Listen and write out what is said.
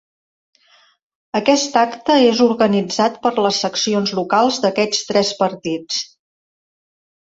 Aquest acte és organitzat per les seccions locals d’aquests tres partits.